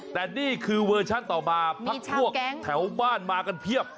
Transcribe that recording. แต่นี่คือเวอร์ชันต่อมาพักพวกแถวบ้านมากันเพียบ